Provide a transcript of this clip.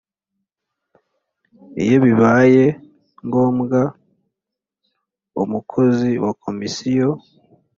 Iyo bibaye ngombwa umukozi wa Komisiyo